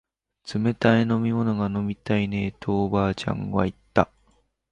冷たい飲み物が飲みたいねえとおばあちゃんは言った